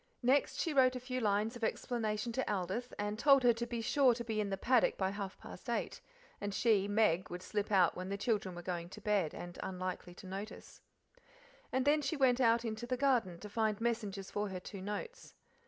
Next she wrote a few lines of explanation to Aldith, and told her to be sure to be in the paddock by half past eight, and she (Meg) would slip out when the children were going to bed and unlikely to notice. And then she went out into the garden to find messengers for her two notes.